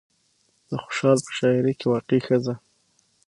د خوشال په شاعرۍ کې واقعي ښځه